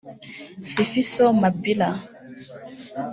Sifiso Mabila